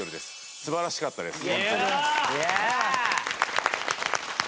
素晴らしかったですよね。